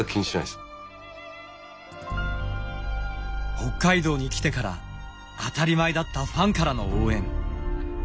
北海道に来てから当たり前だったファンからの応援。